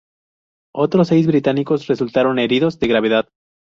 Otros seis británicos resultaron heridos de gravedad.